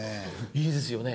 いいですよね。